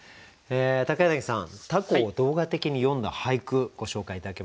柳さん凧を動画的に詠んだ俳句ご紹介頂けますでしょうか？